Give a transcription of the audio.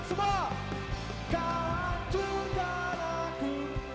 kau hancurkan aku